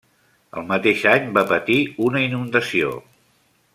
El mateix any va patir una inundació.